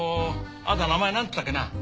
あなた名前なんていったっけな？